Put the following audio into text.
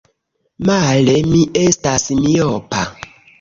Male, mi estas miopa!